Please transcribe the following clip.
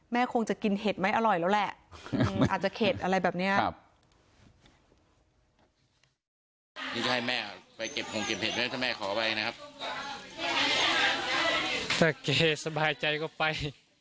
แม่เข้าไว้นะครับถ้าเก๊สบายใจก็ไป